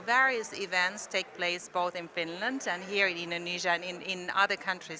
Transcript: jadi beberapa acara berlangsung di finlandia indonesia dan di negara lain juga